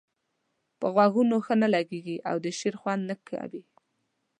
پر غوږونو ښه نه لګيږي او د شعر خوند نه کوي.